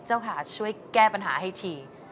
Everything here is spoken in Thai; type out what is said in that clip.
เจ้าขาช่วยแก้ปัญหาให้ที